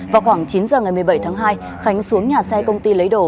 vào khoảng chín giờ ngày một mươi bảy tháng hai khánh xuống nhà xe công ty lấy đồ